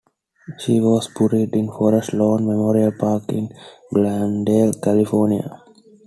She was buried in Forest Lawn Memorial Park in Glendale, California.